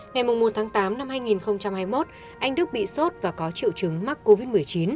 ngày một tháng tám năm hai nghìn hai mươi một anh đức bị sốt và có triệu chứng mắc covid một mươi chín